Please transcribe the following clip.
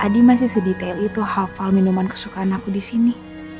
adi masih sedetail itu hafal minuman kesukaan aku disini